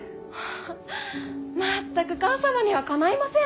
全く母さまにはかないません。